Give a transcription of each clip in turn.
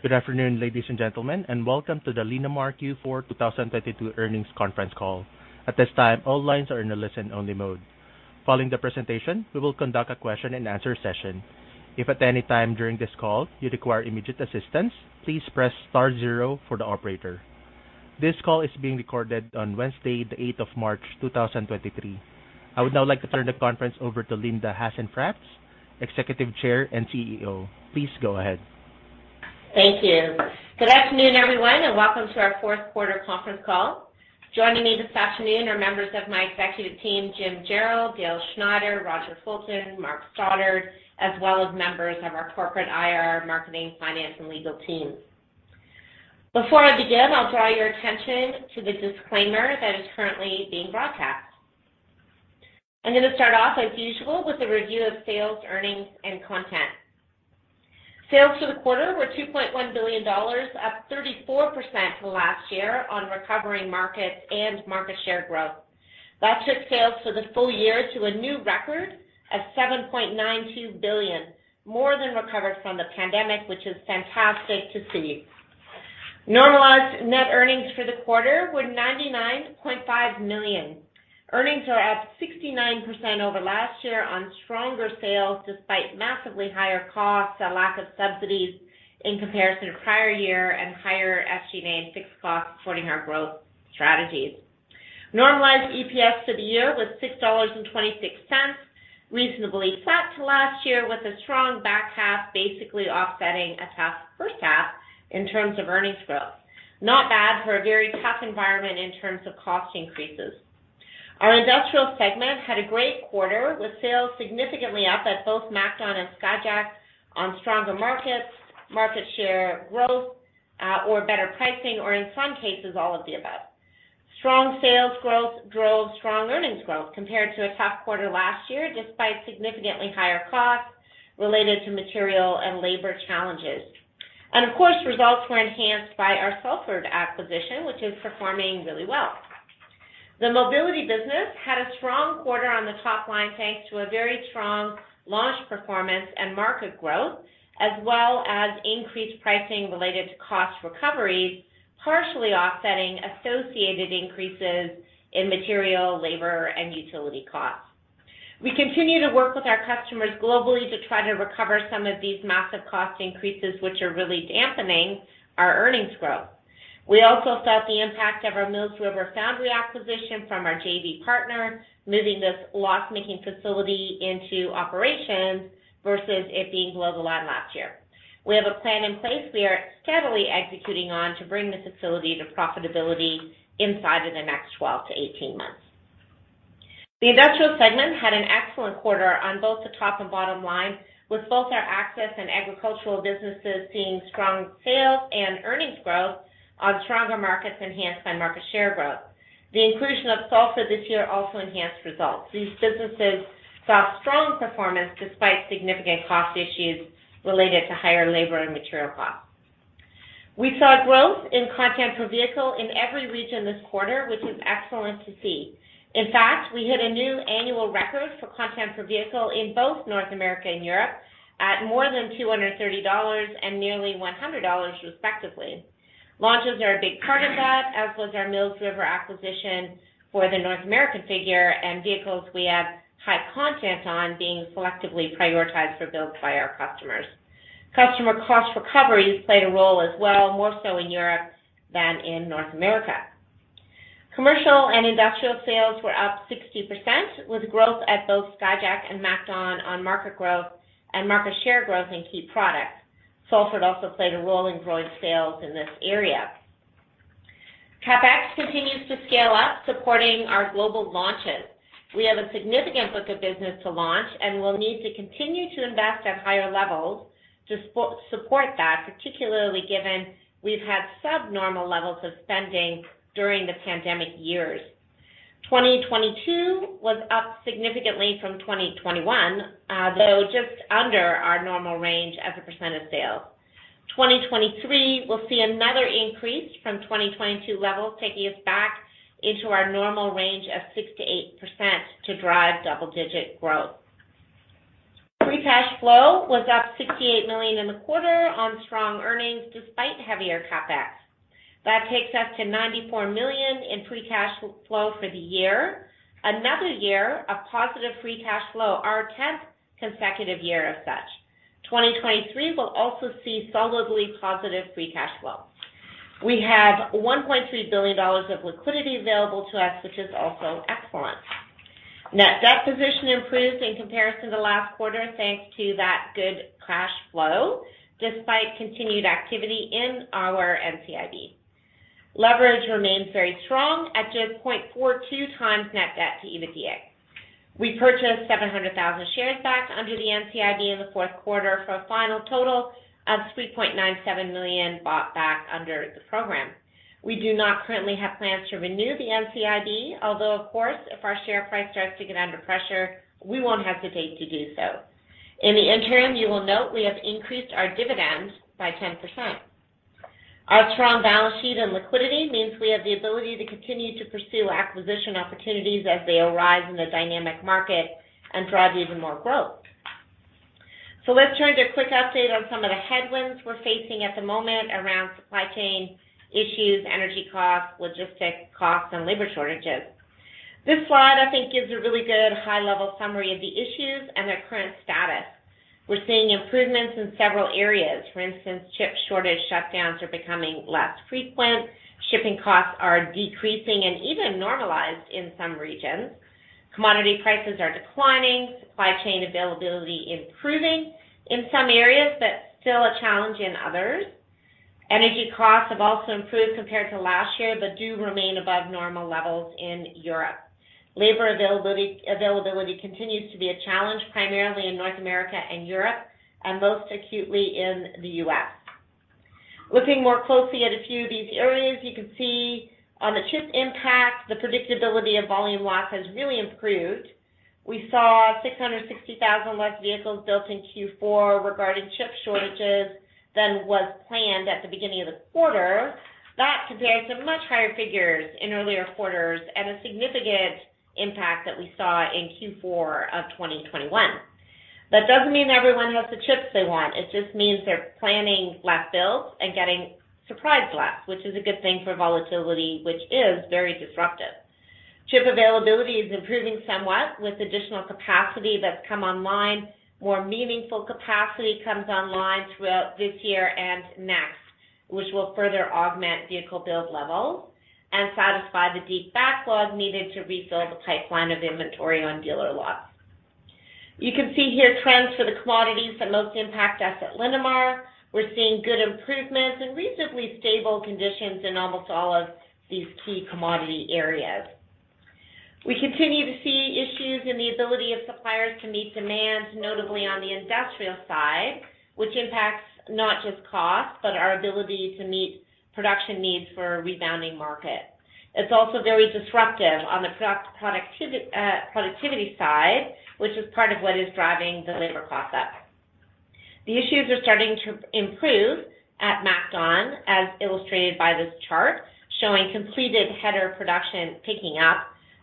Good afternoon, ladies and gentlemen, and welcome to the Linamar Q4 2023 earnings conference call. At this time, all lines are in a listen-only mode. Following the presentation, we will conduct a question-and-answer session. If at any time during this call you require immediate assistance, please press star zero for the operator. This call is being recorded on Wednesday, the eighth of March 2023. I would now like to turn the conference over to Linda Hasenfratz, Executive Chair and CEO. Please go ahead. Thank you. Good afternoon, everyone, and welcome to our fourth quarter conference call. Joining me this afternoon are members of my executive team, Jim Jarrell, Dale Schneider, Roger Fulton, Mark Stoddart, as well as members of our corporate IR, marketing, finance, and legal team. Before I begin, I'll draw your attention to the disclaimer that is currently being broadcast. I'm gonna start off as usual with a review of sales, earnings, and content. Sales for the quarter were 2.1 billion dollars, up 34% to last year on recovering markets and market share growth. That took sales for the full year to a new record of 7.92 billion, more than recovered from the pandemic, which is fantastic to see. Normalized net earnings for the quarter were 99.5 million. Earnings are up 69% over last year on stronger sales despite massively higher costs, a lack of subsidies in comparison to prior year and higher SG&A and fixed costs supporting our growth strategies. Normalized EPS of the year was 6.26 dollars, reasonably flat to last year, with a strong back half basically offsetting a tough first half in terms of earnings growth. Not bad for a very tough environment in terms of cost increases. Our industrial segment had a great quarter, with sales significantly up at both MacDon and Skyjack on stronger markets, market share growth, or better pricing or in some cases, all of the above. Strong sales growth drove strong earnings growth compared to a tough quarter last year, despite significantly higher costs related to material and labor challenges. Of course, results were enhanced by our Salford acquisition, which is performing really well. The mobility business had a strong quarter on the top line, thanks to a very strong launch performance and market growth, as well as increased pricing related to cost recoveries, partially offsetting associated increases in material, labor, and utility costs. We continue to work with our customers globally to try to recover some of these massive cost increases, which are really dampening our earnings growth. We also felt the impact of our Mills River foundry acquisition from our JV partner, moving this loss-making facility into operations versus it being globalized last year. We have a plan in place we are steadily executing on to bring this facility to profitability inside of the next 12-18 months. The industrial segment had an excellent quarter on both the top and bottom line, with both our access and agricultural businesses seeing strong sales and earnings growth on stronger markets enhanced by market share growth. The inclusion of Salford this year also enhanced results. These businesses saw strong performance despite significant cost issues related to higher labor and material costs. We saw growth in content per vehicle in every region this quarter, which was excellent to see. In fact, we hit a new annual record for content per vehicle in both North America and Europe at more than 230 dollars and nearly 100 dollars, respectively. Launches are a big part of that, as was our Mills River acquisition for the North American figure and vehicles we have high content on being selectively prioritized for build by our customers. Customer cost recoveries played a role as well, more so in Europe than in North America. Commercial and industrial sales were up 60%, with growth at both Skyjack and MacDon on market growth and market share growth in key products. Salford also played a role in growing sales in this area. CapEx continues to scale up, supporting our global launches. We have a significant book of business to launch, and we'll need to continue to invest at higher levels to support that, particularly given we've had subnormal levels of spending during the pandemic years. 2022 was up significantly from 2021, though just under our normal range as a percent of sales. 2023 will see another increase from 2022 levels, taking us back into our normal range of 6%-8% to drive double-digit growth. Free cash flow was up 68 million in the quarter on strong earnings despite heavier CapEx. That takes us to 94 million in free cash flow for the year. Another year of positive free cash flow, our 10th consecutive year as such. 2023 will also see solidly positive free cash flow. We have 1.3 billion dollars of liquidity available to us, which is also excellent. Net debt position improved in comparison to last quarter, thanks to that good cash flow, despite continued activity in our NCIB. Leverage remains very strong at just 0.42x net debt to EBITDA. We purchased 70,000 shares back under the NCIB in the fourth quarter for a final total of 3.97 million bought back under the program. We do not currently have plans to renew the NCIB, although of course, if our share price starts to get under pressure, we won't hesitate to do so. In the interim, you will note we have increased our dividend by 10%. Our strong balance sheet and liquidity means we have the ability to continue to pursue acquisition opportunities as they arise in the dynamic market and drive even more growth. Let's turn to a quick update on some of the headwinds we're facing at the moment around supply chain issues, energy costs, logistics costs, and labor shortages. This slide, I think, gives a really good high-level summary of the issues and their current status. We're seeing improvements in several areas. For instance, chip shortage shutdowns are becoming less frequent. Shipping costs are decreasing and even normalized in some regions. Commodity prices are declining. Supply chain availability improving in some areas, but still a challenge in others. Energy costs have also improved compared to last year, but do remain above normal levels in Europe. Labor availability continues to be a challenge, primarily in North America and Europe, and most acutely in the U.S. Looking more closely at a few of these areas, you can see on the chip impact, the predictability of volume loss has really improved. We saw 660,000 less vehicles built in Q4 regarding chip shortages than was planned at the beginning of the quarter. That compares to much higher figures in earlier quarters and a significant impact that we saw in Q4 of 2021. That doesn't mean everyone has the chips they want. It just means they're planning less builds and getting surprised less, which is a good thing for volatility, which is very disruptive. Chip availability is improving somewhat with additional capacity that's come online. More meaningful capacity comes online throughout this year and next, which will further augment vehicle build levels and satisfy the deep backlog needed to refill the pipeline of inventory on dealer lots. You can see here trends for the commodities that most impact us at Linamar. We're seeing good improvements and reasonably stable conditions in almost all of these key commodity areas. We continue to see issues in the ability of suppliers to meet demand, notably on the industrial side, which impacts not just cost, but our ability to meet production needs for a rebounding market. It's also very disruptive on the product productivity side, which is part of what is driving the labor costs up. The issues are starting to improve at MacDon, as illustrated by this chart showing completed header production picking up,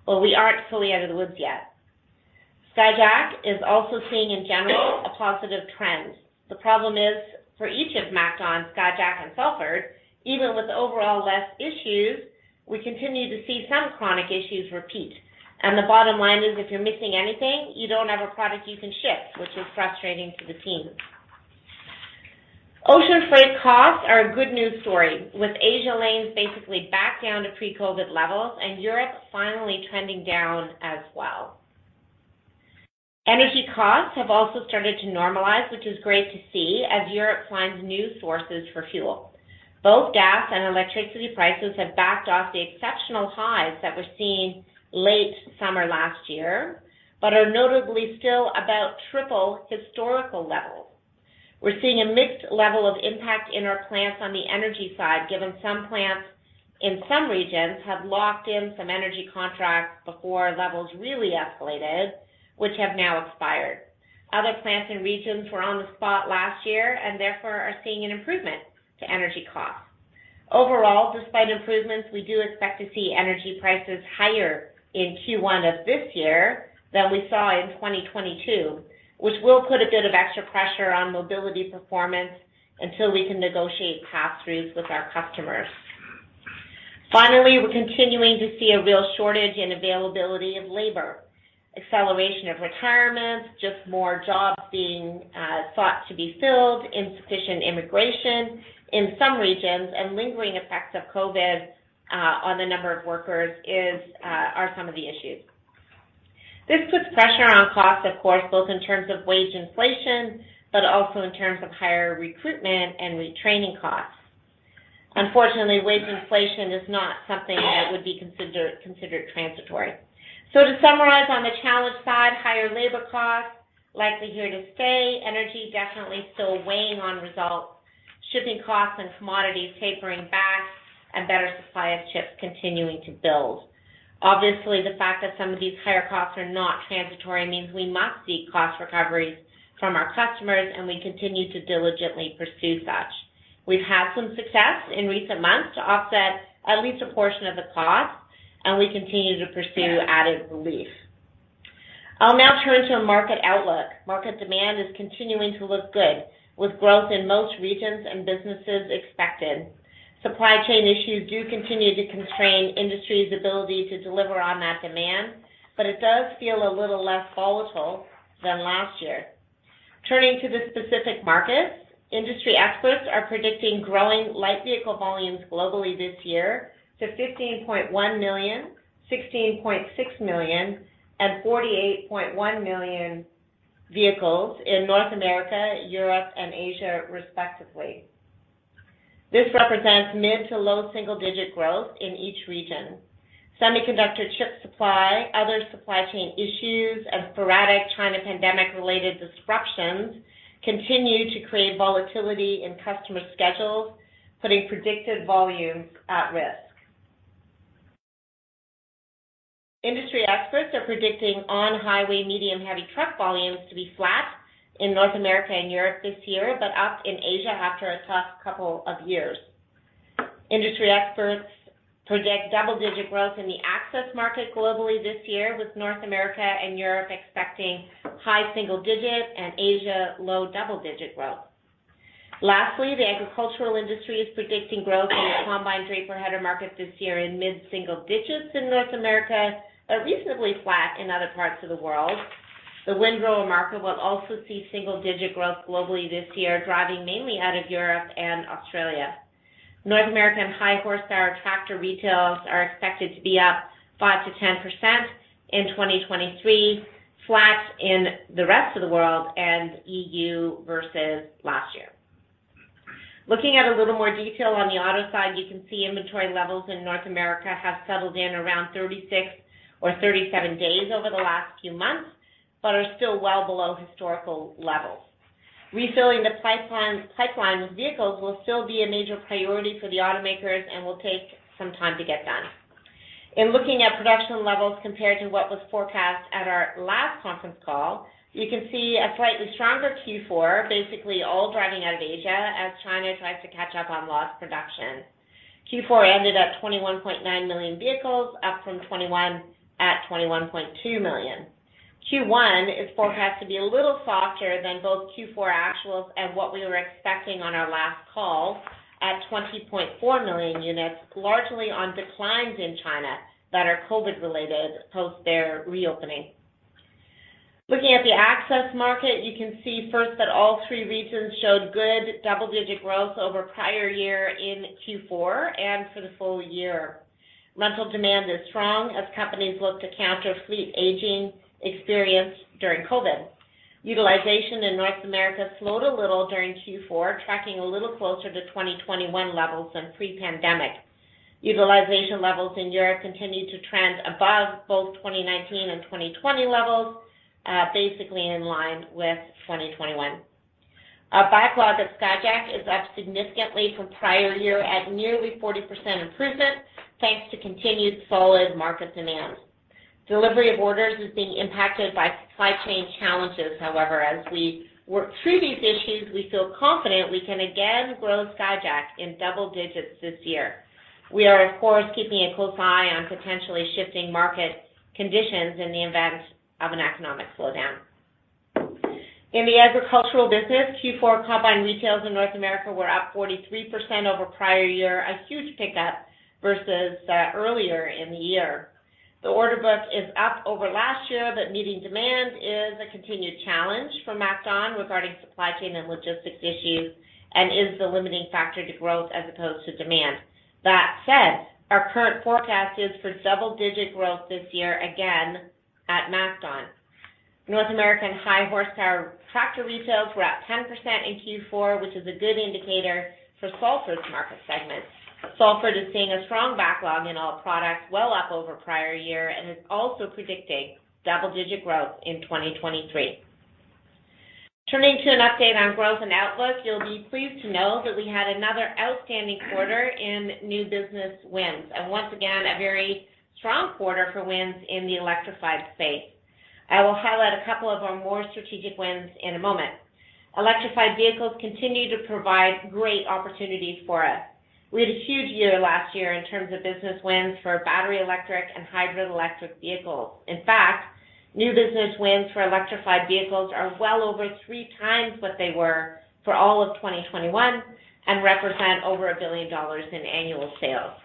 but we aren't fully out of the woods yet. Skyjack is also seeing in general a positive trend. The problem is, for each of MacDon, Skyjack and Salford, even with overall less issues, we continue to see some chronic issues repeat. The bottom line is, if you're missing anything, you don't have a product you can ship, which is frustrating to the teams. Ocean freight costs are a good news story, with Asia lanes basically back down to pre-COVID levels and Europe finally trending down as well. Energy costs have also started to normalize, which is great to see as Europe finds new sources for fuel. Both gas and electricity prices have backed off the exceptional highs that were seen late summer last year, but are notably still about triple historical levels. We're seeing a mixed level of impact in our plants on the energy side, given some plants in some regions have locked in some energy contracts before levels really escalated, which have now expired. Other plants and regions were on the spot last year and therefore are seeing an improvement to energy costs. Overall, despite improvements, we do expect to see energy prices higher in Q1 of this year than we saw in 2022, which will put a bit of extra pressure on mobility performance until we can negotiate pass-throughs with our customers. We're continuing to see a real shortage in availability of labor. Acceleration of retirements, just more jobs being sought to be filled, insufficient immigration in some regions, and lingering effects of COVID on the number of workers are some of the issues. This puts pressure on costs, of course, both in terms of wage inflation, but also in terms of higher recruitment and retraining costs. Unfortunately, wage inflation is not something that would be considered transitory. To summarize on the challenge side, higher labor costs likely here to stay, energy definitely still weighing on results, shipping costs and commodities tapering back and better supply of chips continuing to build. The fact that some of these higher costs are not transitory means we must seek cost recoveries from our customers, and we continue to diligently pursue such. We've had some success in recent months to offset at least a portion of the cost. We continue to pursue added relief. I'll now turn to market outlook. Market demand is continuing to look good, with growth in most regions and businesses expected. Supply chain issues do continue to constrain industry's ability to deliver on that demand. It does feel a little less volatile than last year. Turning to the specific markets, industry experts are predicting growing light vehicle volumes globally this year to 15.1 million, 16.6 million and 48.1 million vehicles in North America, Europe, and Asia, respectively. This represents mid to low single-digit growth in each region. Semiconductor chip supply, other supply chain issues and sporadic China pandemic-related disruptions continue to create volatility in customer schedules, putting predicted volumes at risk. Industry experts are predicting on highway medium heavy truck volumes to be flat in North America and Europe this year, but up in Asia after a tough couple of years. Industry experts predict double-digit growth in the access market globally this year, with North America and Europe expecting high single-digit and Asia low double-digit growth. Lastly, the agricultural industry is predicting growth in the combine draper header market this year in mid-single digits in North America are reasonably flat in other parts of the world. The windrower market will also see single-digit growth globally this year, driving mainly out of Europe and Australia. North American high horsepower tractor retails are expected to be up 5%-10% in 2023, flat in the rest of the world and EU versus last year. Looking at a little more detail on the auto side, you can see inventory levels in North America have settled in around 36 or 37 days over the last few months, but are still well below historical levels. Refilling the pipeline of vehicles will still be a major priority for the automakers and will take some time to get done. In looking at production levels compared to what was forecast at our last conference call, you can see a slightly stronger Q4, basically all driving out of Asia as China tries to catch up on lost production. Q4 ended at 21.9 million vehicles, up from 21.2 million. Q1 is forecast to be a little softer than both Q4 actuals and what we were expecting on our last call at 20.4 million units, largely on declines in China that are COVID related post their reopening. Looking at the access market, you can see first that all three regions showed good double-digit growth over prior year in Q4 and for the full year. Rental demand is strong as companies look to counter fleet aging experienced during COVID. Utilization in North America slowed a little during Q4, tracking a little closer to 2021 levels than pre-pandemic. Utilization levels in Europe continued to trend above both 2019 and 2020 levels, basically in line with 2021. Our backlog at Skyjack is up significantly from prior year at nearly 40% improvement, thanks to continued solid market demand. Delivery of orders is being impacted by supply chain challenges. However, as we work through these issues, we feel confident we can again grow Skyjack in double digits this year. We are of course keeping a close eye on potentially shifting market conditions in the event of an economic slowdown. In the agricultural business, Q4 combine retails in North America were up 43% over prior year, a huge pickup versus earlier in the year. The order book is up over last year, but meeting demand is a continued challenge for MacDon regarding supply chain and logistics issues and is the limiting factor to growth as opposed to demand. That said, our current forecast is for double-digit growth this year, again at MacDon. North American high horsepower tractor retails were up 10% in Q4, which is a good indicator for Salford's market segment. Salford is seeing a strong backlog in all products well up over prior year and is also predicting double-digit growth in 2023. Turning to an update on growth and outlook, you'll be pleased to know that we had another outstanding quarter in new business wins and once again a very strong quarter for wins in the electrified space. I will highlight a couple of our more strategic wins in a moment. Electrified vehicles continue to provide great opportunities for us. We had a huge year last year in terms of business wins for battery, electric and hybrid electric vehicles. In fact, new business wins for electrified vehicles are well over three times what they were for all of 2021 and represent over $1 billion in annual sales.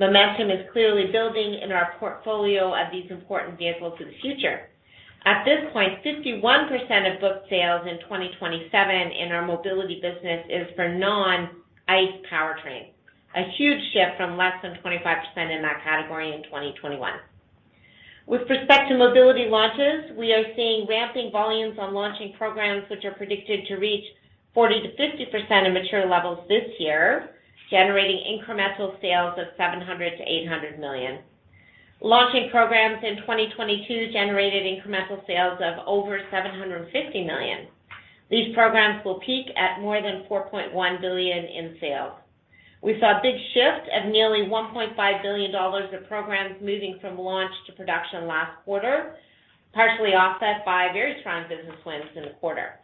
Momentum is clearly building in our portfolio of these important vehicles for the future. At this point, 51% of book sales in 2027 in our mobility business is for non-ICE powertrains, a huge shift from less than 25% in that category in 2021. With respect to mobility launches, we are seeing ramping volumes on launching programs which are predicted to reach 40%-50% of mature levels this year, generating incremental sales of 700 million-800 million. Launching programs in 2022 generated incremental sales of over 750 million. These programs will peak at more than 4.1 billion in sales. We saw a big shift of nearly 1.5 billion dollars of programs moving from launch to production last quarter, partially offset by very strong business wins in the quarter.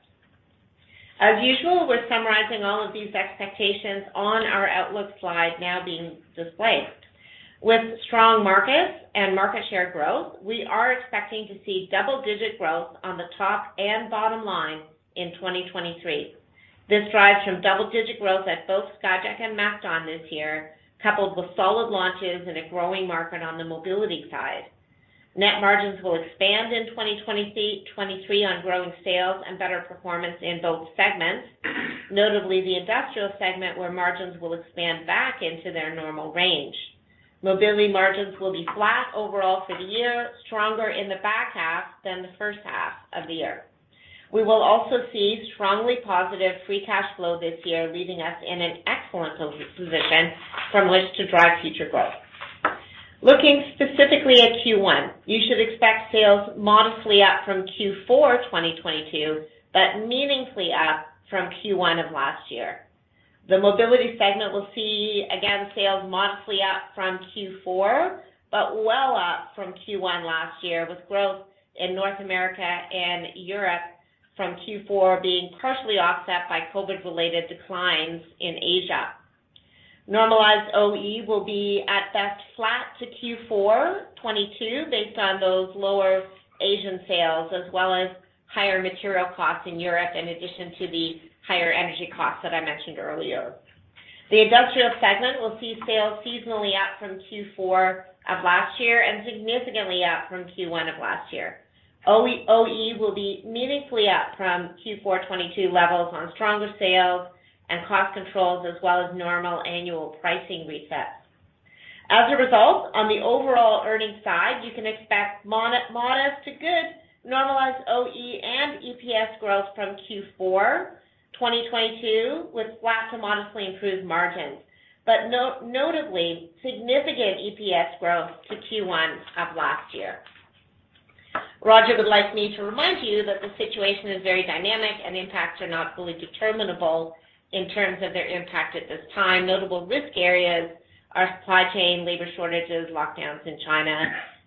As usual, we're summarizing all of these expectations on our outlook slide now being displayed. With strong markets and market share growth, we are expecting to see double-digit growth on the top and bottom line in 2023. This drives from double-digit growth at both Skyjack and MacDon this year, coupled with solid launches in a growing market on the mobility side. Net margins will expand in 2023 on growing sales and better performance in both segments, notably the industrial segment where margins will expand back into their normal range. Mobility margins will be flat overall for the year, stronger in the back half than the first half of the year. We will also see strongly positive free cash flow this year, leaving us in an excellent position from which to drive future growth. Looking specifically at Q1, you should expect sales modestly up from Q4 2022, but meaningfully up from Q1 of last year. The mobility segment will see again sales modestly up from Q4, but well up from Q1 last year, with growth in North America and Europe from Q4 being partially offset by COVID-related declines in Asia. Normalized OE will be at best flat to Q4 2022 based on those lower Asian sales as well as higher material costs in Europe in addition to the higher energy costs that I mentioned earlier. The industrial segment will see sales seasonally up from Q4 of last year and significantly up from Q1 of last year. OE will be meaningfully up from Q4 2022 levels on stronger sales and cost controls as well as normal annual pricing resets. As a result, on the overall earnings side, you can expect modest to good normalized OE and EPS growth from Q4 2022 with flat to modestly improved margins. Notably significant EPS growth to Q1 of last year. Roger would like me to remind you that the situation is very dynamic and impacts are not fully determinable in terms of their impact at this time. Notable risk areas are supply chain, labor shortages, lockdowns in China,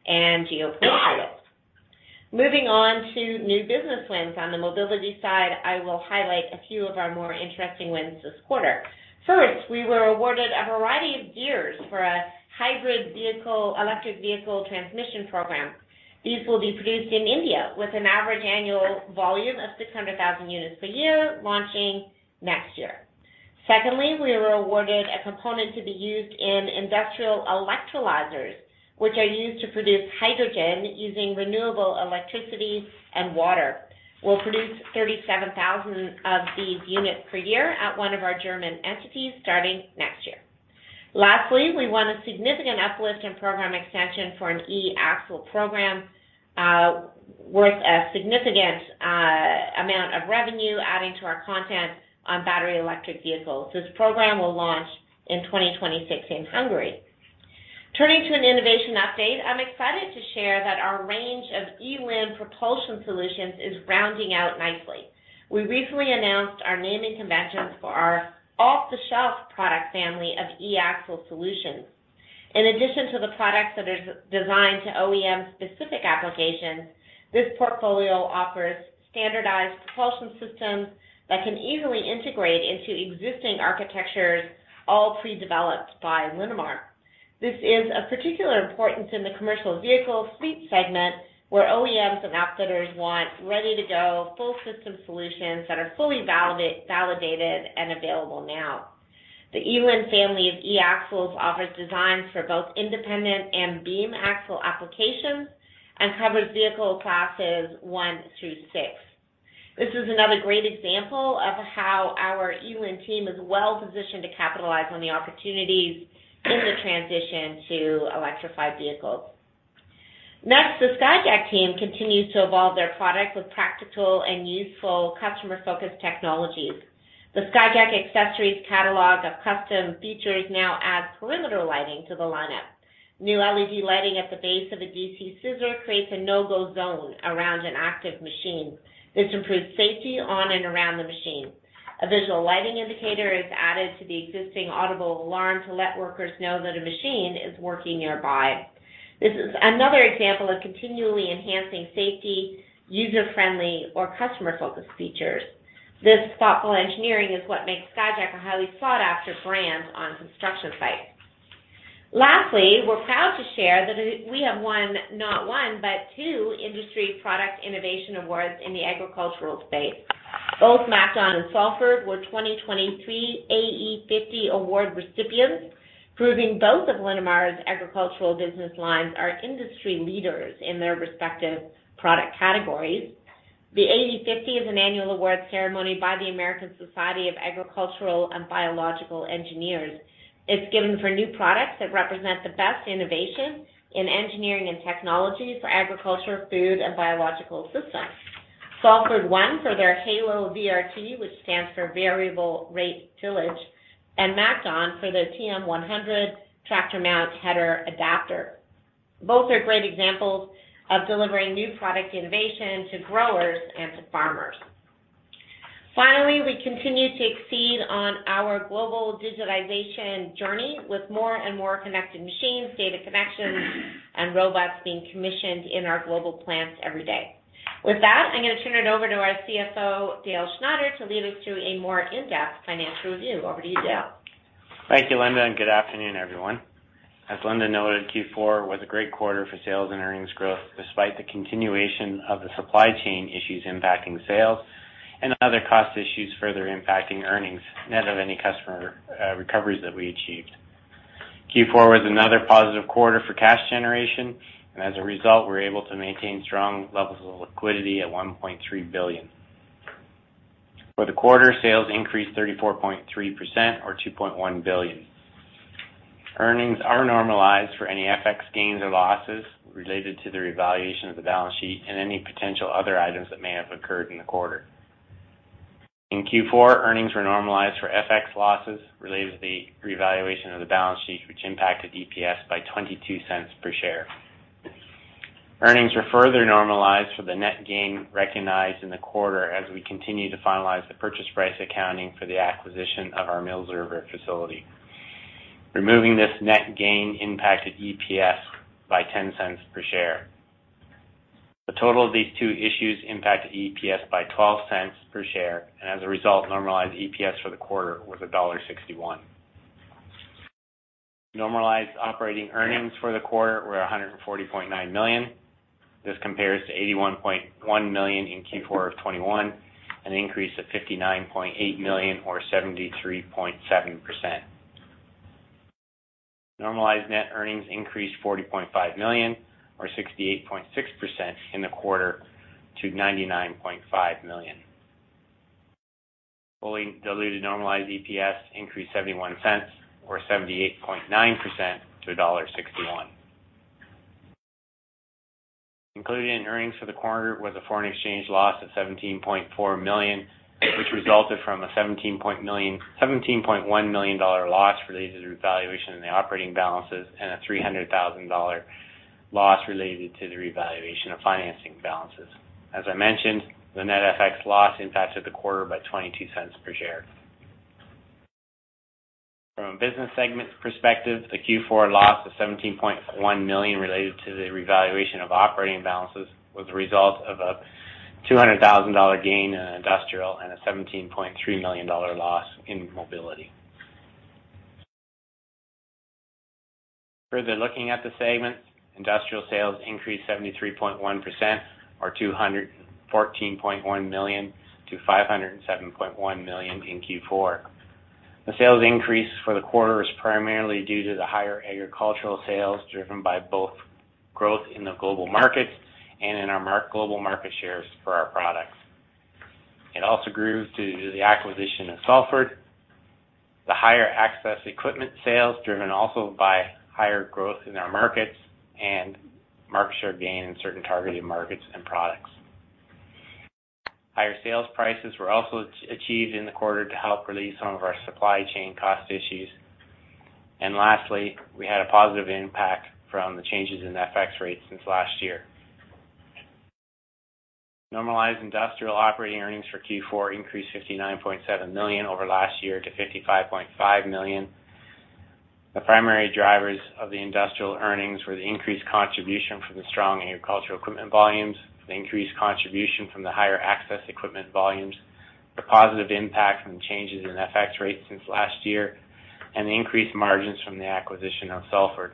and geopolitical. Moving on to new business wins. On the mobility side, I will highlight a few of our more interesting wins this quarter. First, we were awarded a variety of gears for a hybrid vehicle, electric vehicle transmission program. These will be produced in India with an average annual volume of 600,000 units per year, launching next year. We were awarded a component to be used in industrial electrolyzers, which are used to produce hydrogen using renewable electricity and water. We'll produce 37,000 of these units per year at one of our German entities starting next year. We won a significant uplift in program extension for an e-axle program worth a significant amount of revenue, adding to our content on battery electric vehicles. This program will launch in 2026 in Hungary. Turning to an innovation update, I'm excited to share that our range of eLIN propulsion solutions is rounding out nicely. We recently announced our naming conventions for our off-the-shelf product family of e-axle solutions. In addition to the products that are de-designed to OEM-specific applications, this portfolio offers standardized propulsion systems that can easily integrate into existing architectures, all pre-developed by Linamar. This is of particular importance in the commercial vehicle fleet segment, where OEMs and outfitters want ready-to-go full system solutions that are fully validated and available now. The eLIN family of e-Axles offers designs for both independent and beam axle applications and covers vehicle classes one through through. This is another great example of how our eLIN team is well-positioned to capitalize on the opportunities in the transition to electrified vehicles. The Skyjack team continues to evolve their product with practical and useful customer-focused technologies. The Skyjack accessories catalog of custom features now adds perimeter lighting to the lineup. New LED lighting at the base of a DC scissor creates a no-go zone around an active machine. This improves safety on and around the machine. A visual lighting indicator is added to the existing audible alarm to let workers know that a machine is working nearby. We're proud to share that we have won not one, but two industry product innovation awards in the agricultural space. Both MacDon and Salford were 2023 AE50 award recipients, proving both of Linamar's agricultural business lines are industry leaders in their respective product categories. The AE50 is an annual award ceremony by the American Society of Agricultural and Biological Engineers. It's given for new products that represent the best innovation in engineering and technology for agriculture, food, and biological systems. Salford won for their HALO VRT, which stands for Variable Rate Tillage, and MacDon for their TM100 tractor mount header adapter. Both are great examples of delivering new product innovation to growers and to farmers. Finally, we continue to exceed on our global digitization journey with more and more connected machines, data connections, and robots being commissioned in our global plants every day. With that, I'm gonna turn it over to our CFO, Dale Schneider, to lead us through a more in-depth financial review. Over to you, Dale. Thank you, Linda. Good afternoon, everyone. As Linda noted, Q4 was a great quarter for sales and earnings growth despite the continuation of the supply chain issues impacting sales and other cost issues further impacting earnings net of any customer recoveries that we achieved. Q4 was another positive quarter for cash generation. As a result, we're able to maintain strong levels of liquidity at 1.3 billion. For the quarter, sales increased 34.3% or 2.1 billion. Earnings are normalized for any FX gains or losses related to the revaluation of the balance sheet and any potential other items that may have occurred in the quarter. In Q4, earnings were normalized for FX losses related to the revaluation of the balance sheet, which impacted EPS by 0.22 per share. Earnings were further normalized for the net gain recognized in the quarter as we continue to finalize the purchase price accounting for the acquisition of our Mills River facility. Removing this net gain impacted EPS by 0.10 per share. The total of these two issues impacted EPS by 0.12 per share. As a result, normalized EPS for the quarter was CAD 1.61. Normalized operating earnings for the quarter were 140.9 million. This compares to 81.1 million in Q4 of 2021, an increase of 59.8 million or 73.7%. Normalized net earnings increased 40.5 million or 68.6% in the quarter to 99.5 million. Fully diluted normalized EPS increased 0.71 or 78.9% to CAD 1.61. Included in earnings for the quarter was a foreign exchange loss of CAD 17.4 million, which resulted from a CAD 17.1 million loss related to the revaluation in the operating balances and a CAD 300,000 loss related to the revaluation of financing balances. As I mentioned, the net FX loss impacted the quarter by 0.22 per share. From a business segment perspective, the Q4 loss of CAD 17.1 million related to the revaluation of operating balances was a result of a CAD 200,000 gain in Industrial and a CAD 17.3 million loss in Mobility. Further looking at the segments, Industrial sales increased 73.1% or 214.1 million to 507.1 million in Q4. The sales increase for the quarter was primarily due to the higher agricultural sales, driven by both growth in the global markets and in our global market shares for our products. It also grew due to the acquisition of Salford, the higher access equipment sales, driven also by higher growth in our markets and market share gain in certain targeted markets and products. Higher sales prices were also achieved in the quarter to help release some of our supply chain cost issues. Lastly, we had a positive impact from the changes in FX rates since last year. Normalized Industrial operating earnings for Q4 increased 59.7 million over last year to 55.5 million. The primary drivers of the Industrial earnings were the increased contribution from the strong agricultural equipment volumes, the increased contribution from the higher access equipment volumes, the positive impact from the changes in FX rates since last year, and the increased margins from the acquisition of Salford.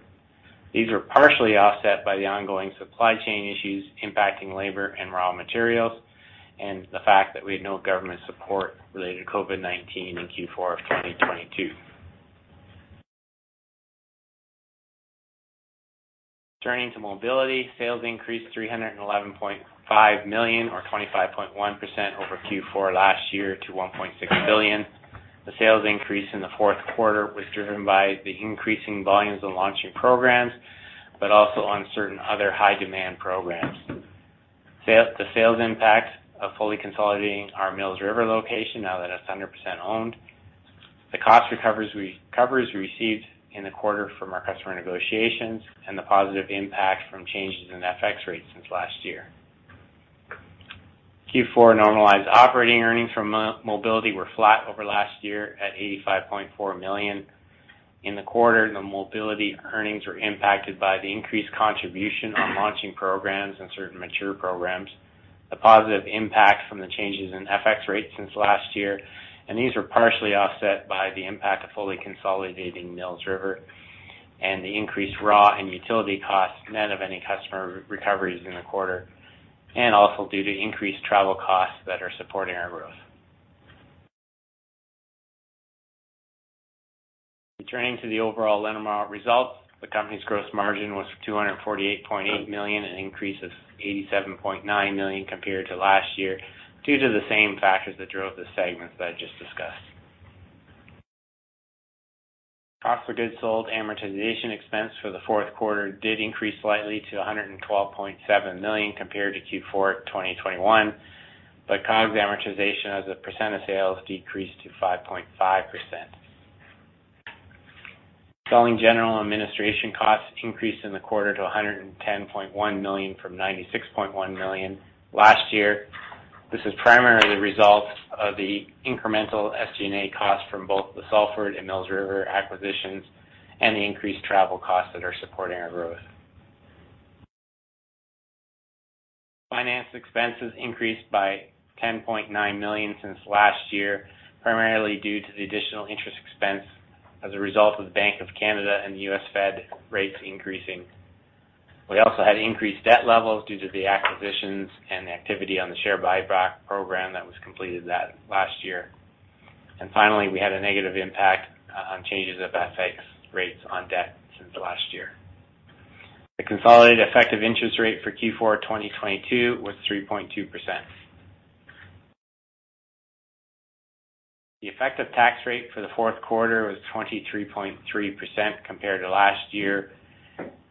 These were partially offset by the ongoing supply chain issues impacting labor and raw materials, and the fact that we had no government support related to COVID-19 in Q4 of 2022. Turning to Mobility, sales increased 311.5 million or 25.1% over Q4 last year to 1.6 billion. The sales increase in the fourth quarter was driven by the increasing volumes of launching programs, but also on certain other high demand programs. The sales impact of fully consolidating our Mills River location now that it's 100% owned, the cost recovers we received in the quarter from our customer negotiations, and the positive impact from changes in FX rates since last year. Q4 normalized operating earnings from Mobility were flat over last year at 85.4 million. In the quarter, the Mobility earnings were impacted by the increased contribution on launching programs and certain mature programs, the positive impact from the changes in FX rates since last year. These were partially offset by the impact of fully consolidating Mills River and the increased raw and utility costs, net of any customer re-recoveries in the quarter. Also due to increased travel costs that are supporting our growth. Returning to the overall Linamar results, the company's gross margin was 248.8 million, an increase of 87.9 million compared to last year, due to the same factors that drove the segments that I just discussed. Cost of goods sold amortization expense for the fourth quarter did increase slightly to 112.7 million compared to Q4 2021. COGS amortization as a percent of sales decreased to 5.5%. Selling, general, and administration costs increased in the quarter to 110.1 million from 96.1 million last year. This is primarily the result of the incremental SG&A costs from both the Salford and Mills River acquisitions and the increased travel costs that are supporting our growth. Finance expenses increased by 10.9 million since last year, primarily due to the additional interest expense as a result of Bank of Canada and the US Fed rates increasing. We also had increased debt levels due to the acquisitions and the activity on the share buyback program that was completed that last year. Finally, we had a negative impact on changes of FX rates on debt since the last year. The consolidated effective interest rate for Q4 2022 was 3.2%. The effective tax rate for the fourth quarter was 23.3% compared to last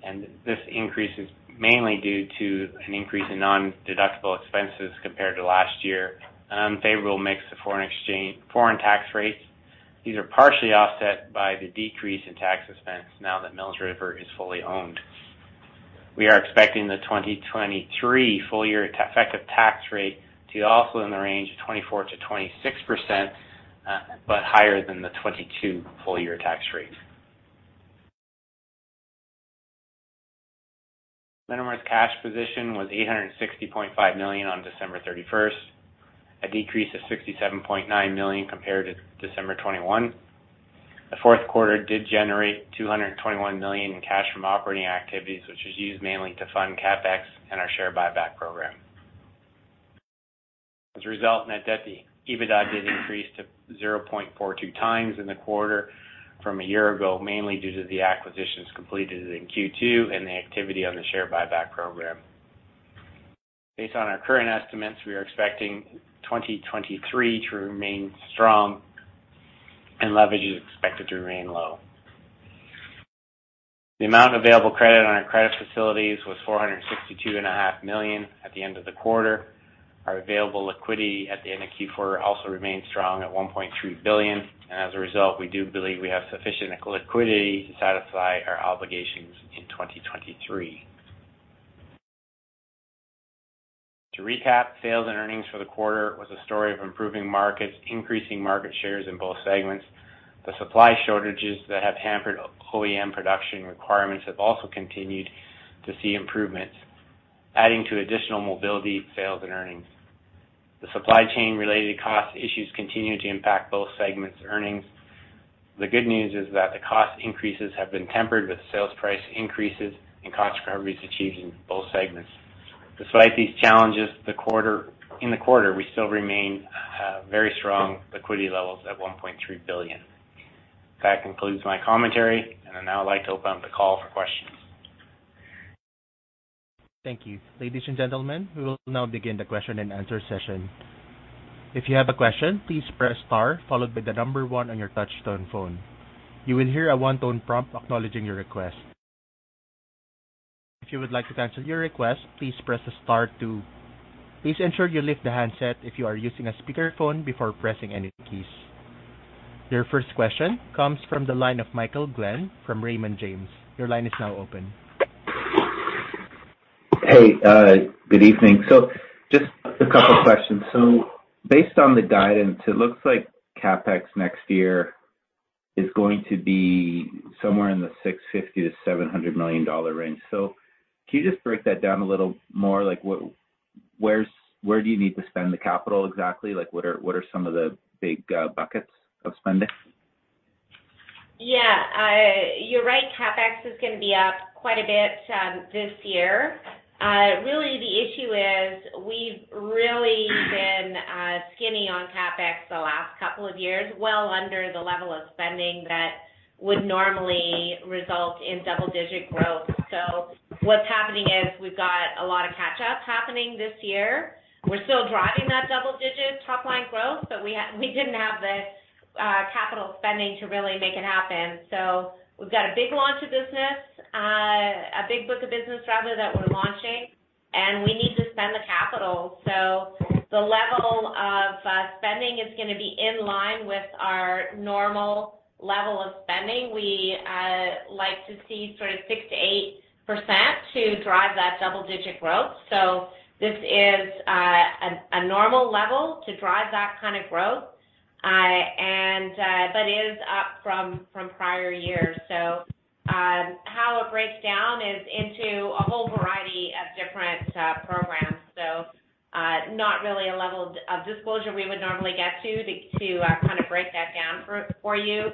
year. This increase is mainly due to an increase in non-deductible expenses compared to last year, an unfavorable mix of foreign tax rates. These are partially offset by the decrease in tax expense now that Mills River is fully owned. We are expecting the 2023 full year effective tax rate to also in the range of 24%-26%, but higher than the 2022 full year tax rate. Linamar's cash position was 860.5 million on December 31st, a decrease of 67.9 million compared to December 2021. The fourth quarter did generate 221 million in cash from operating activities, which was used mainly to fund CapEx and our share buyback program. As a result, net debt to EBITDA did increase to 0.42 times in the quarter from a year ago, mainly due to the acquisitions completed in Q2 and the activity on the share buyback program. Based on our current estimates, we are expecting 2023 to remain strong and leverage is expected to remain low. The amount of available credit on our credit facilities was 462 and a half million at the end of the quarter. Our available liquidity at the end of Q4 also remained strong at 1.3 billion. As a result, we do believe we have sufficient liquidity to satisfy our obligations in 2023. To recap, sales and earnings for the quarter was a story of improving markets, increasing market shares in both segments. The supply shortages that have hampered OEM production requirements have also continued to see improvements, adding to additional mobility, sales and earnings. The supply chain related cost issues continue to impact both segments' earnings. The good news is that the cost increases have been tempered with sales price increases and cost recoveries achieved in both segments. Despite these challenges, in the quarter, we still remain very strong liquidity levels at $1.3 billion. That concludes my commentary. I'd now like to open up the call for questions. Thank you. Ladies and gentlemen, we will now begin the question and answer session. If you have a question, please press star followed by the number one on your touchtone phone. You will hear a one-tone prompt acknowledging your request. If you would like to cancel your request, please press star two. Please ensure you lift the handset if you are using a speakerphone before pressing any keys. Your first question comes from the line of Michael Glen from Raymond James. Your line is now open. Good evening. Just a couple questions. Based on the guidance, it looks like CapEx next year is going to be somewhere in the 650 million-700 million dollar range. Can you just break that down a little more? Like where do you need to spend the capital exactly? Like, what are some of the big buckets of spending? Yeah. You're right. CapEx is gonna be up quite a bit, this year. Really the issue is we've really been skinny on CapEx the last couple of years, well under the level of spending that would normally result in double-digit growth. What's happening is we've got a lot of catch up happening this year. We're still driving that double-digit top line growth, but we didn't have the, capital spending to really make it happen. We've got a big launch of business, a big book of business rather that we're launching, and we need to spend the capital. The level of spending is gonna be in line with our normal level of spending. We like to see sort of 6% - 8% to drive that double-digit growth. This is a normal level to drive that kind of growth. But it is up from prior years. How it breaks down is into a whole variety of different programs. Not really a level of disclosure we would normally get to kind of break that down for you.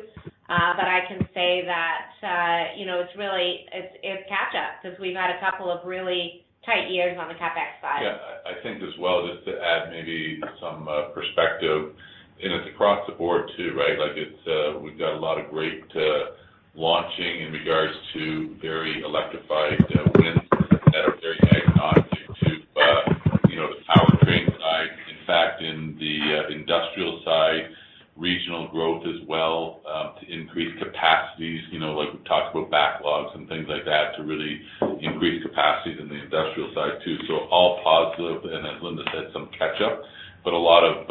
But I can say that, you know, it's really, it's catch up because we've had a couple of really tight years on the CapEx side. Yeah. I think as well, just to add maybe some perspective, and it's across the board too, right? Like it's we've got a lot of great launching in regards to very electrified wins that are very agnostic to you know, the powertrain side. In fact, in the industrial side, regional growth as well, to increase capacities, you know, like we've talked about backlogs and things like that to really increase capacities in the industrial side too. All positive, and as Linda said, some catch up, but a lot of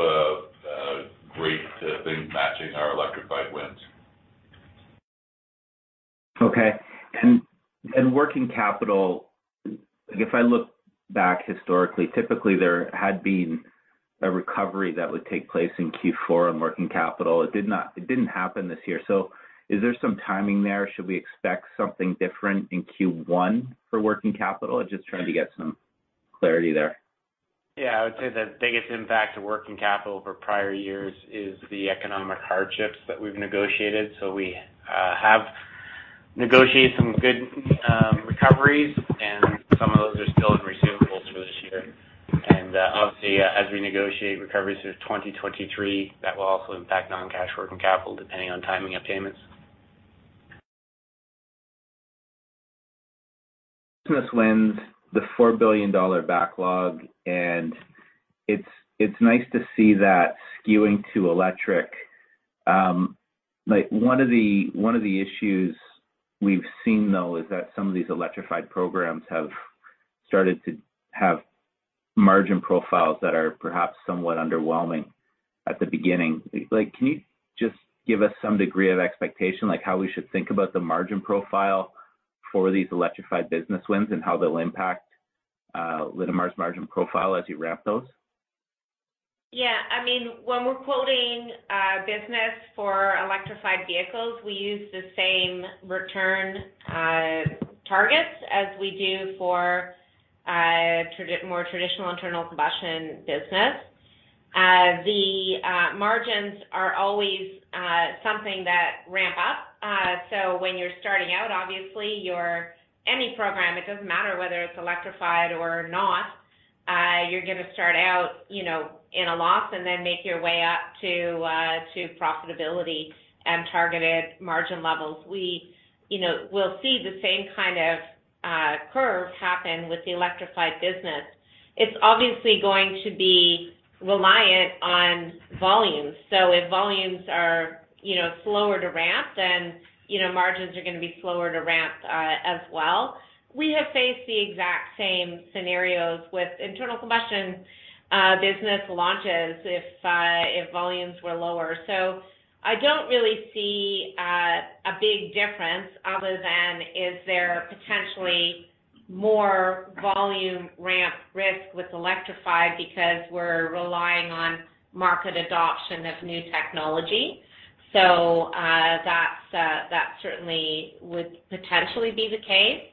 great things matching our electrified wins. Okay. Working capital, if I look back historically, typically there had been a recovery that would take place in Q4 on working capital. It didn't happen this year. Is there some timing there? Should we expect something different in Q1 for working capital? Just trying to get some clarity there. I would say the biggest impact to working capital for prior years is the economic hardships that we've negotiated. We have negotiated some good recoveries, some of those are still in receivables for this year. Obviously as we negotiate recoveries through 2023, that will also impact non-cash working capital depending on timing of payments. This wins the $4 billion backlog, it's nice to see that skewing to electric. Like one of the, one of the issues we've seen though is that some of these electrified programs have started to have margin profiles that are perhaps somewhat underwhelming at the beginning. Like, can you just give us some degree of expectation, like how we should think about the margin profile for these electrified business wins and how they'll impact Linamar's margin profile as you ramp those? I mean, when we're quoting business for electrified vehicles, we use the same return targets as we do for more traditional internal combustion business. The margins are always something that ramp up. When you're starting out, obviously, any program, it doesn't matter whether it's electrified or not, you're gonna start out, you know, in a loss and then make your way up to profitability and targeted margin levels. We, you know, we'll see the same kind of curve happen with the electrified business. It's obviously going to be reliant on volumes. If volumes are, you know, slower to ramp then, you know, margins are gonna be slower to ramp as well. We have faced the exact same scenarios with internal combustion business launches if volumes were lower. I don't really see a big difference other than is there potentially more volume ramp risk with electrified because we're relying on market adoption of new technology? That's that certainly would potentially be the case.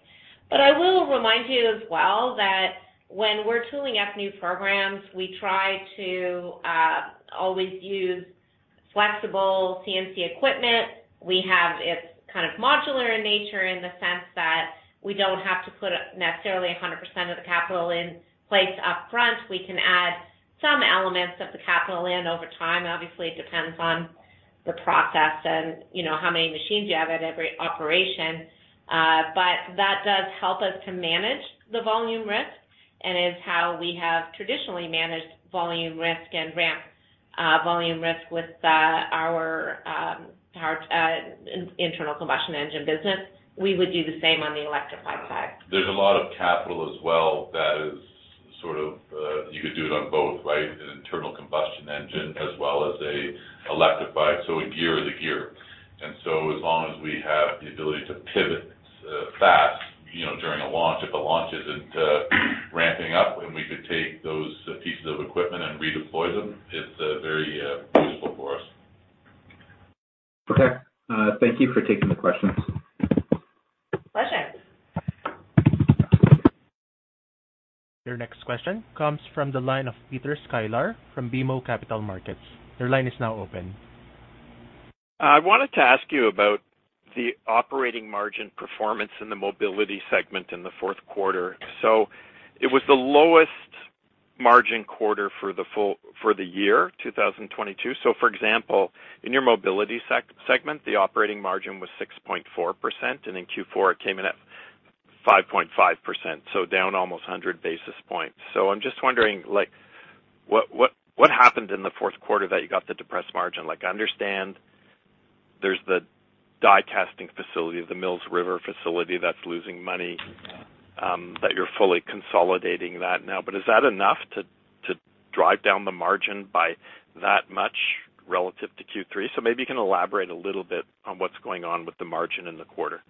I will remind you as well that when we're tooling up new programs, we try to always use flexible CNC equipment. We have it's kind of modular in nature in the sense that we don't have to put up necessarily 100% of the capital in place upfront. We can add some elements of the capital in over time. Obviously, it depends on the process and, you know, how many machines you have at every operation. That does help us to manage the volume risk, and is how we have traditionally managed volume risk and ramp with our internal combustion engine business. We would do the same on the electrified side. There's a lot of capital as well that is sort of, you could do it on both, right? An internal combustion engine as well as a electrified, so a gear is a gear. As long as we have the ability to pivot, fast, you know, during a launch, if a launch isn't, ramping up and we could take those pieces of equipment and redeploy them, it's very useful for us. Okay. Thank you for taking the questions. Pleasure. Your next question comes from the line of Peter Sklar from BMO Capital Markets. Your line is now open. I wanted to ask you about the operating margin performance in the mobility segment in the fourth quarter. It was the lowest margin quarter for the full year 2022. For example, in your mobility segment, the operating margin was 6.4%, and in Q4 it came in at 5.5%, down almost 100 basis points. I'm just wondering, like, what happened in the fourth quarter that you got the depressed margin? Like, I understand there's the die casting facility, the Mills River facility that's losing money, that you're fully consolidating that now. Is that enough to drive down the margin by that much relative to Q3? Maybe you can elaborate a little bit on what's going on with the margin in the quarter.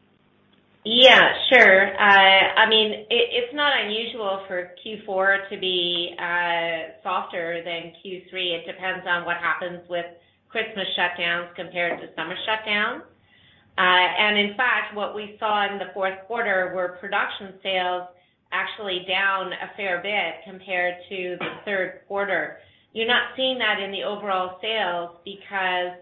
Yeah, sure. I mean, it's not unusual for Q4 to be softer than Q3. It depends on what happens with Christmas shutdowns compared to summer shutdowns. In fact, what we saw in the fourth quarter were production sales actually down a fair bit compared to the third quarter. You're not seeing that in the overall sales because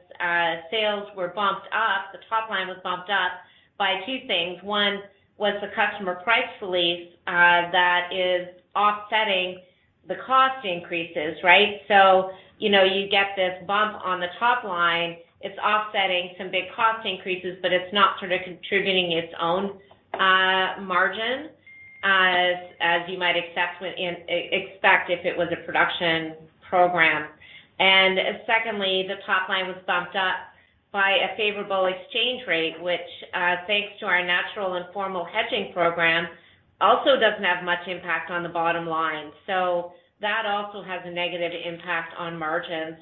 sales were bumped up. The top line was bumped up by two things. One was the customer price release that is offsetting the cost increases, right? You know, you get this bump on the top line, it's offsetting some big cost increases, but it's not sort of contributing its own margin as you might expect if it was a production program. Secondly, the top line was bumped up by a favorable exchange rate, which, thanks to our natural and formal hedging program, also doesn't have much impact on the bottom line. That also has a negative impact on margin.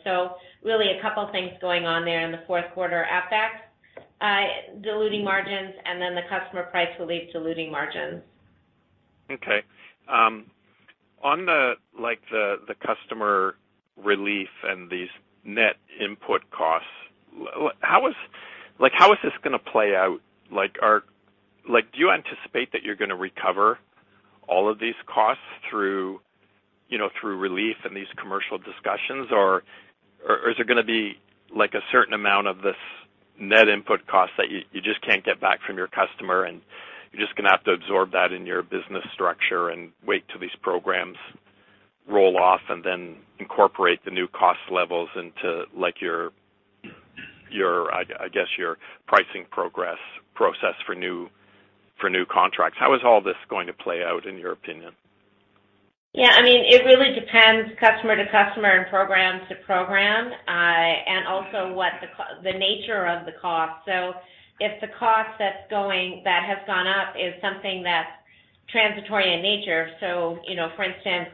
Really a couple things going on there in the fourth quarter. FX, diluting margins and then the customer price relief diluting margins. Okay. On the, like the customer relief and these net input costs, how is this gonna play out? Are you anticipate that you're gonna recover all of these costs through, you know, through relief and these commercial discussions, or is there gonna be like a certain amount of this net input cost that you just can't get back from your customer and you're just gonna have to absorb that in your business structure and wait till these programs roll off and then incorporate the new cost levels into, like, your, I guess your pricing process for new contracts? How is all this going to play out in your opinion? Yeah, I mean, it really depends customer to customer and program to program. Also what the nature of the cost. If the cost that's going, that has gone up is something that's transitory in nature. You know, for instance,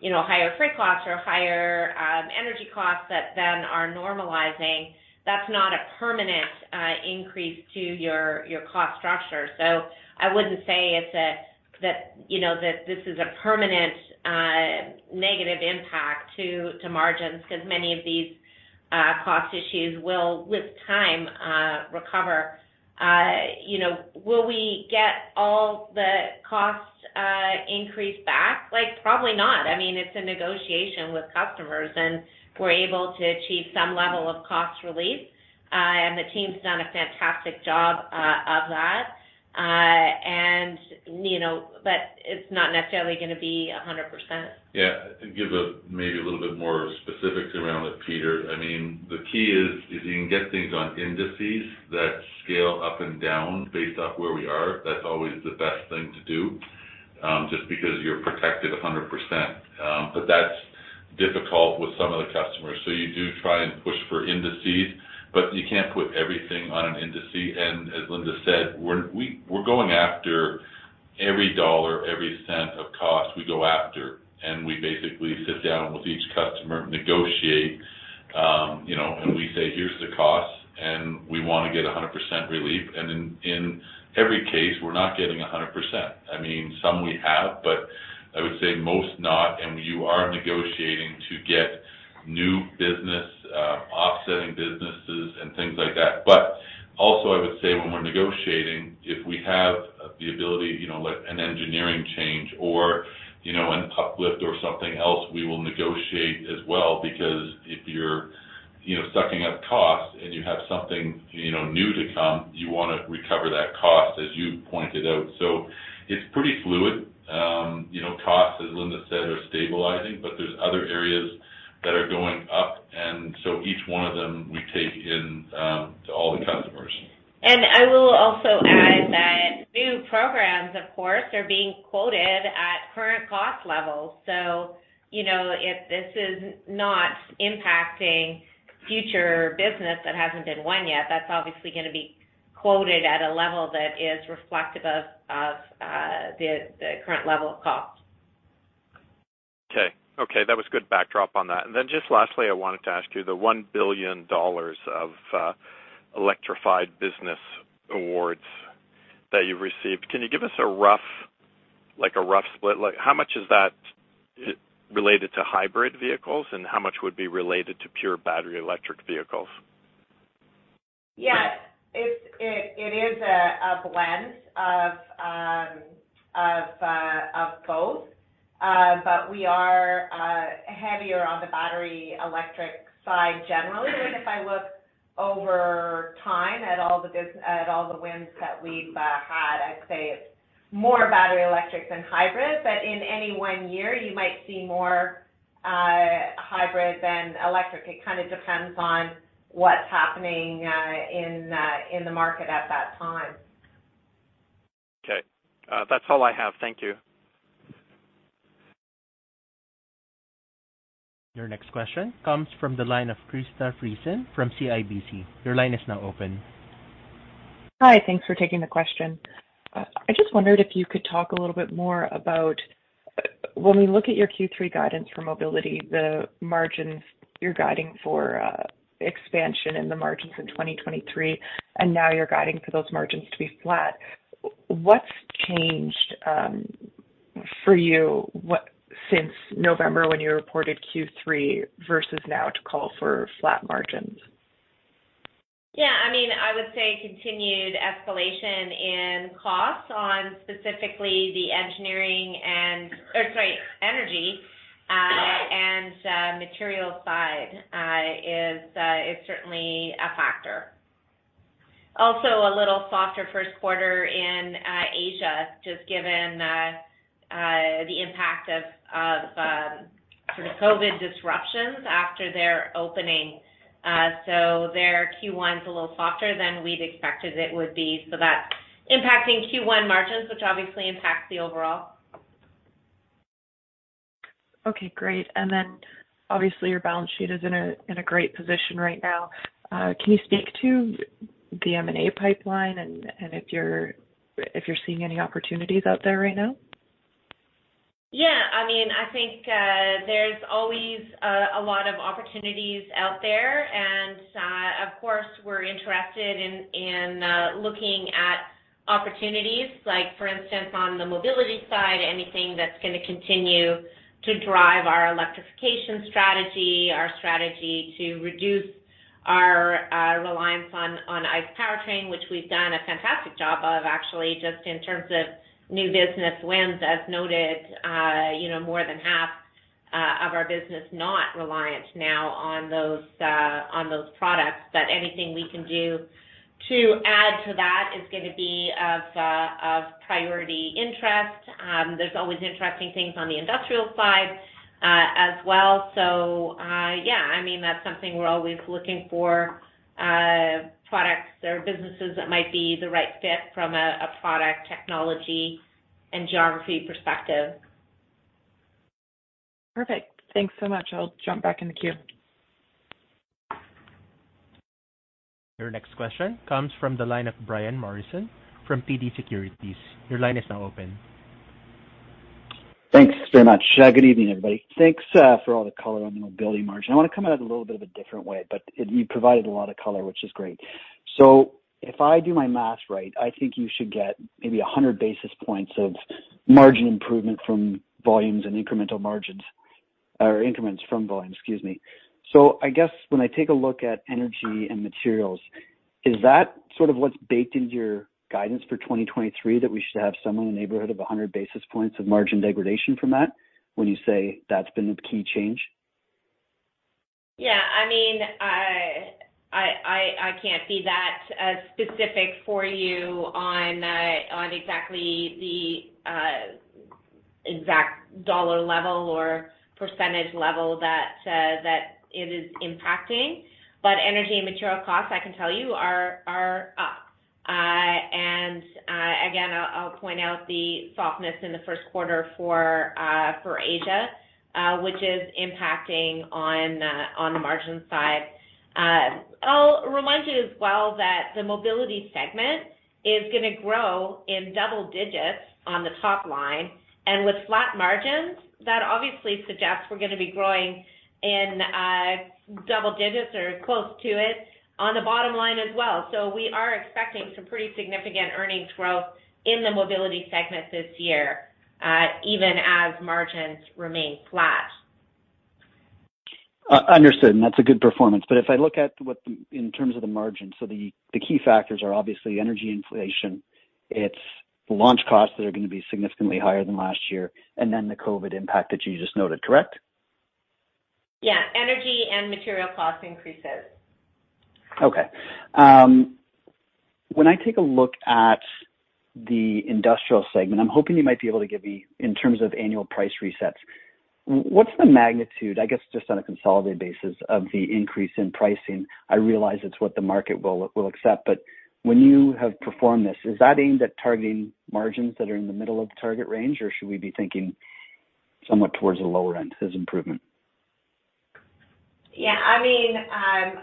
you know, higher freight costs or higher energy costs that then are normalizing, that's not a permanent increase to your cost structure. I wouldn't say that, you know, that this is a permanent negative impact to margins 'cause many of these cost issues will, with time recover. You know, will we get all the cost increase back? Like, probably not. I mean, it's a negotiation with customers, and we're able to achieve some level of cost relief. The team's done a fantastic job of that. You know, it's not necessarily gonna be 100%. Yeah. To give a maybe a little bit more specifics around it, Peter, I mean, the key is if you can get things on indices that scale up and down based off where we are, that's always the best thing to do, just because you're protected 100%. That's difficult with some of the customers. You do try and push for indices, but you can't put everything on an indice. As Linda said, we're going after every dollar, every cent of cost, we go after, and we basically sit down with each customer, negotiate, you know, and we say, "Here's the cost, and we wanna get 100% relief." In every case, we're not getting 100%. I mean, some we have, but I would say most not. You are negotiating to get new business, offsetting businesses and things like that. Also, I would say when we're negotiating, if we have the ability, you know, with an engineering change or, you know, an uplift or something else, we will negotiate as well because if you're, you know, sucking up costs and you have something, you know, new to come, you wanna recover that cost, as you pointed out. It's pretty fluid. You know, costs, as Linda said, are stabilizing, but there's other areas that are going up, each one of them, we take in to all the customers. I will also add that new programs, of course, are being quoted at current cost levels. you know, if this is not impacting future business that hasn't been won yet, that's obviously gonna be quoted at a level that is reflective of the current level of cost. Okay. Okay, that was good backdrop on that. Just lastly, I wanted to ask you, the 1 billion dollars of electrified business awards that you've received. Can you give us a rough, like, a rough split? Like, how much is that related to hybrid vehicles, and how much would be related to pure battery electric vehicles? Yeah. It's, it is a blend of both. We are heavier on the battery electric side generally. If I look over time at all the wins that we've had, I'd say it's more battery electric than hybrid. In any one year you might see more hybrid than electric. It kinda depends on what's happening in the market at that time. Okay. That's all I have. Thank you. Your next question comes from the line of Krista Friesen from CIBC. Your line is now open. Hi. Thanks for taking the question. I just wondered if you could talk a little bit more about when we look at your Q3 guidance for mobility, the margins you're guiding for expansion in the margins in 2023, and now you're guiding for those margins to be flat. What's changed for you what, since November when you reported Q3 versus now to call for flat margins? I mean, I would say continued escalation in costs on specifically the energy and material side is certainly a factor. Also a little softer first quarter in Asia, just given the impact of COVID disruptions after their opening. Their Q1's a little softer than we'd expected it would be. That's impacting Q1 margins, which obviously impacts the overall. Okay, great. Obviously your balance sheet is in a great position right now. Can you speak to the M&A pipeline and if you're seeing any opportunities out there right now? Yeah, I mean, I think, there's always a lot of opportunities out there. Of course, we're interested in looking at opportunities like for instance, on the mobility side, anything that's gonna continue to drive our electrification strategy, our strategy to reduce our reliance on ICE powertrain, which we've done a fantastic job of actually, just in terms of new business wins. As noted, you know, more than half of our business not reliant now on those on those products. Anything we can do to add to that is gonna be of priority interest. There's always interesting things on the industrial side as well. Yeah, I mean, that's something we're always looking for, products or businesses that might be the right fit from a product technology and geography perspective. Perfect. Thanks so much. I'll jump back in the queue. Your next question comes from the line of Brian Morrison from TD Securities. Your line is now open. Thanks very much. Good evening, everybody. Thanks for all the color on the mobility margin. I wanna come at it a little bit of a different way, but you provided a lot of color, which is great. If I do my math right, I think you should get maybe 100 basis points of margin improvement from volumes and incremental margins or increments from volume. Excuse me. I guess when I take a look at energy and materials, is that sort of what's baked into your guidance for 2023, that we should have somewhere in the neighborhood of 100 basis points of margin degradation from that when you say that's been the key change? Yeah. I mean, I can't be that specific for you on exactly the exact dollar level or percentage level that it is impacting. Energy and material costs, I can tell you are up. Again, I'll point out the softness in the first quarter for Asia, which is impacting on the margin side. I'll remind you as well that the mobility segment is gonna grow in double digits on the top line. With flat margins, that obviously suggests we're gonna be growing in double digits or close to it on the bottom line as well. We are expecting some pretty significant earnings growth in the mobility segment this year, even as margins remain flat. understood, and that's a good performance. If I look at in terms of the margin, so the key factors are obviously energy inflation, it's launch costs that are gonna be significantly higher than last year, and then the COVID impact that you just noted, correct? Yeah. Energy and material cost increases. When I take a look at the industrial segment, I'm hoping you might be able to give me in terms of annual price resets, what's the magnitude, I guess, just on a consolidated basis of the increase in pricing? I realize it's what the market will accept, but when you have performed this, is that aimed at targeting margins that are in the middle of the target range, or should we be thinking somewhat towards the lower end as improvement? I mean,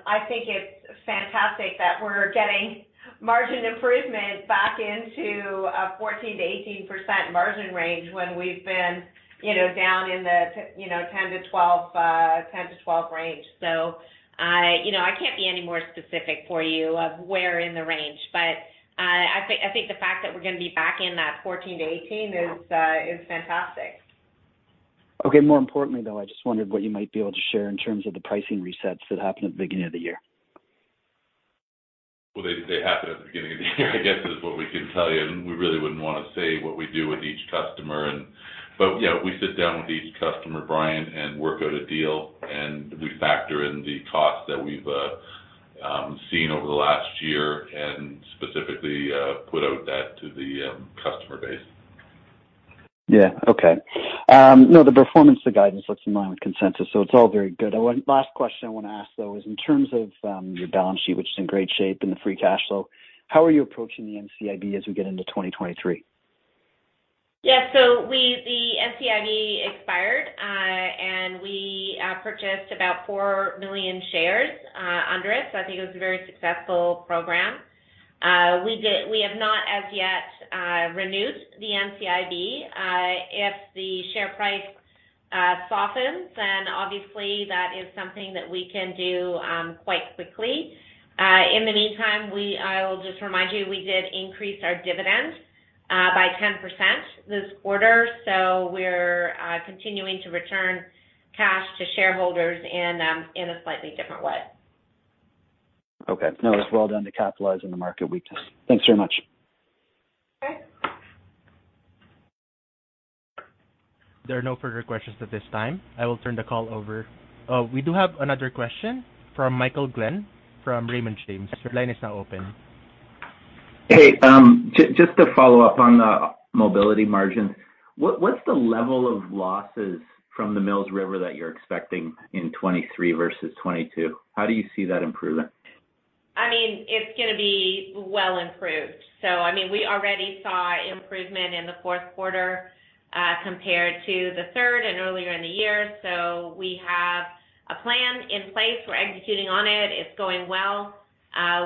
I think it's fantastic that we're getting margin improvement back into a 14%-18% margin range when we've been, you know, down in the, you know, 10%-12% range. I, you know, I can't be any more specific for you of where in the range, but I think the fact that we're gonna be back in that 14%-18% is fantastic. Okay. More importantly, though, I just wondered what you might be able to share in terms of the pricing resets that happened at the beginning of the year. Well, they happened at the beginning of the year, I guess, is what we can tell you. We really wouldn't wanna say what we do with each customer. Yeah, we sit down with each customer, Brian, and work out a deal, and we factor in the cost that we've seen over the last year and specifically put out that to the customer base. Yeah. Okay. No, the performance to guidance looks in line with consensus, so it's all very good. One last question I wanna ask, though, is in terms of your balance sheet, which is in great shape in the free cash flow, how are you approaching the NCIB as we get into 2023? Yeah. The NCIB expired, and we purchased about 4 million shares under it, so I think it was a very successful program. We have not as yet renewed the NCIB. If the share price softens, then obviously that is something that we can do quite quickly. In the meantime, I'll just remind you, we did increase our dividend by 10% this quarter. We're continuing to return cash to shareholders in a slightly different way. Okay. No, it's well done to capitalize on the market weakness. Thanks very much. Okay. There are no further questions at this time. I will turn the call over... we do have another question from Michael Glen from Raymond James. Your line is now open. Hey. Just to follow up on the mobility margins, what's the level of losses from the Mills River that you're expecting in 2023 versus 2022? How do you see that improving? I mean, it's gonna be well improved. I mean, we already saw improvement in the fourth quarter, compared to the third and earlier in the year. We have a plan in place. We're executing on it. It's going well.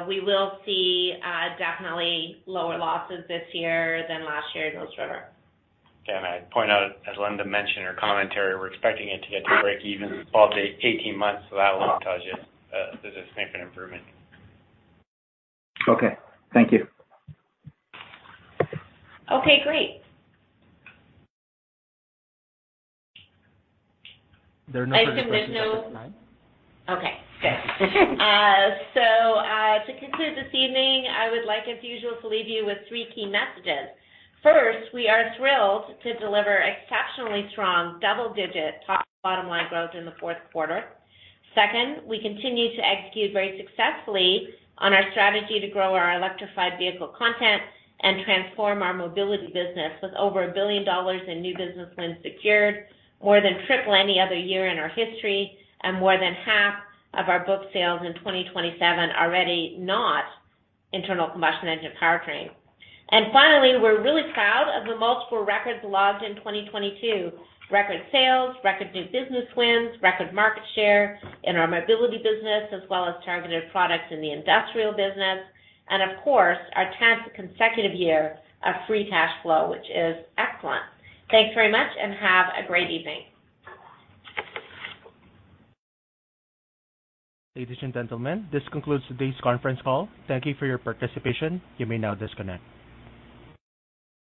We will see, definitely lower losses this year than last year at Mills River. I'd point out, as Linda mentioned in her commentary, we're expecting it to get to break even 12 to 18 months, so that alone tells you, there's a significant improvement. Okay. Thank you. Okay, great. There are no further questions at this time. Okay, good. To conclude this evening, I would like, as usual, to leave you with three key messages. First, we are thrilled to deliver exceptionally strong double-digit top and bottom line growth in the fourth quarter. Second, we continue to execute very successfully on our strategy to grow our electrified vehicle content and transform our mobility business with over 1 billion dollars in new business wins secured, more than triple any other year in our history, and more than half of our booked sales in 2027 already not internal combustion engine powertrain. Finally, we're really proud of the multiple records logged in 2022. Record sales, record new business wins, record market share in our mobility business, as well as targeted products in the industrial business, and of course, our 10th consecutive year of free cash flow, which is excellent. Thanks very much and have a great evening. Ladies and gentlemen, this concludes today's conference call. Thank you for your participation. You may now disconnect.